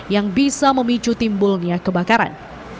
yang bisa memicu timbulnya kebakaran